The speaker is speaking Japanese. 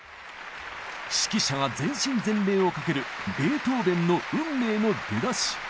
指揮者が全身全霊をかけるベートーベンの「運命」の出だし。